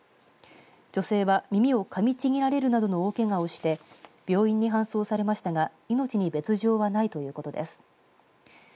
女性は耳をかみちぎられるなどの大けがをして病院に搬送されましたが命に別状はないということです。